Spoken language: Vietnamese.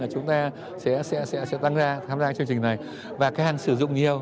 là chúng ta sẽ tăng ra tham gia cái chương trình này và càng sử dụng nhiều